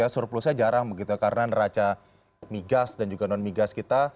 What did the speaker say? surplusnya jarang begitu karena neraca migas dan juga non migas kita